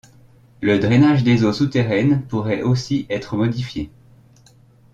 Le drainage des eaux souterraines pourrait aussi être modifié.